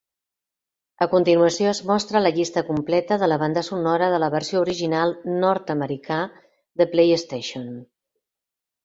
A continuació es mostra la llista completa de la banda sonora de la versió original nord-americà de PlayStation.